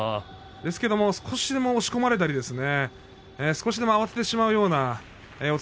ですけれども少しでも押し込まれたり少しでも慌ててしまうような四つ